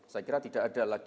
saya kira tidak ada lagi